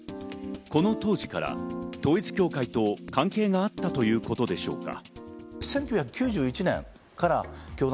この当時から統一教会と関係があったということでしょうか？